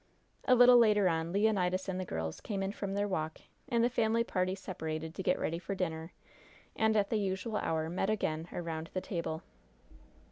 A little later on, Leonidas and the girls came in from their walk, and the family party separated to get ready for dinner, and at the usual hour met again around the table.